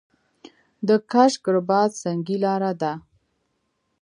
د کشک رباط سنګي لاره ده